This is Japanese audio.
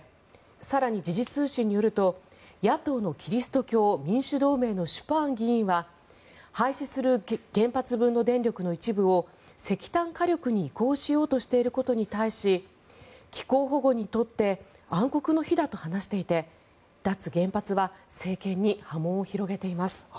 更に、時事通信によると野党のキリスト教民主同盟のシュパーン議員は廃止する原発分の電力の一部を石炭火力に移行しようとしていることに対し気候保護にとって暗黒の日だと話していて脱原発は政権に波紋を広げています。